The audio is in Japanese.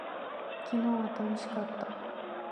昨日は楽しかった。